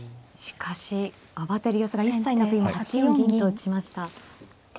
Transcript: しかし慌てる様子が一切なく今８四銀と打ちました。